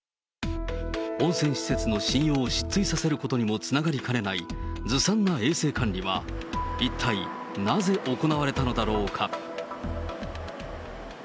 温泉施設の信用を失墜させることにもつながりかねないずさんな衛生管理は、一体なぜ行われたのだろうか。